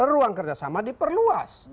ruang kerjasama diperluas